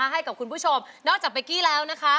ให้กับคุณผู้ชมนอกจากเป๊กกี้แล้วนะคะ